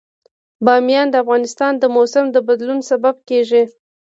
بامیان د افغانستان د موسم د بدلون سبب کېږي.